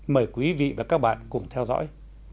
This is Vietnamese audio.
mời quý vị và các bạn cùng theo dõi